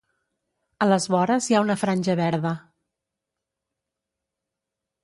A les vores hi ha una franja verda.